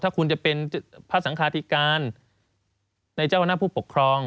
ถ้าคุณจะเป็นพระสังคาธิการในเจ้าคณะผู้ปกครอง